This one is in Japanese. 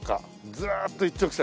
ずーっと一直線。